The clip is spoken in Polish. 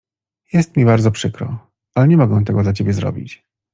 Jest mi bardzo przykro, ale nie mogę tego dla Ciebie zrobić.